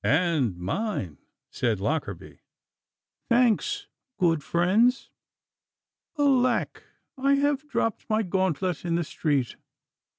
'And mine,' said Lockarby. 'Thanks, good friends. Alack! I have dropped my gauntlet in the street.